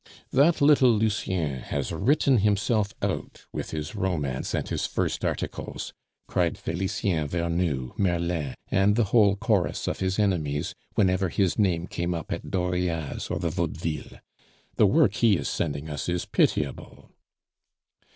"That little Lucien has written himself out with his romance and his first articles," cried Felicien Vernou, Merlin, and the whole chorus of his enemies, whenever his name came up at Dauriat's or the Vaudeville. "The work he is sending us is pitiable."